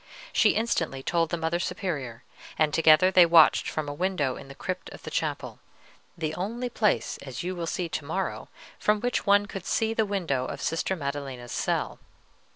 She instantly told the Mother Superior; and together they watched from a window in the crypt of the chapel, the only place, as you will see to morrow, from which one could see the window of Sister Maddelena's cell.